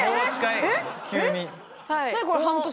急に。